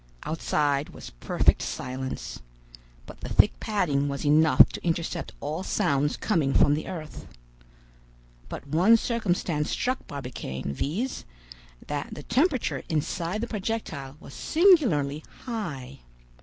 Outside was perfect silence; but the thick padding was enough to intercept all sounds coming from the earth. But one circumstance struck Barbicane, viz., that the temperature inside the projectile was singularly high.